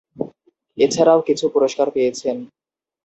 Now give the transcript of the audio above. এছাড়াও কিছু পুরস্কার পেয়েছেন।